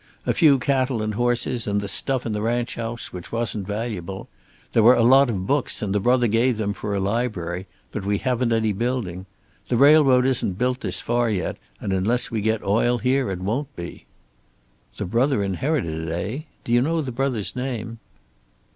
A few cattle and horses, and the stuff in the ranch house, which wasn't valuable. There were a lot of books, and the brother gave them for a library, but we haven't any building. The railroad isn't built this far yet, and unless we get oil here it won't be." "The brother inherited it, eh? Do you know the brother's name?"